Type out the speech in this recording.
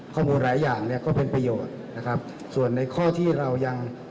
ข้อมูลหลายอย่างเนี่ยก็เป็นประโยชน์นะครับส่วนในข้อที่เรายัง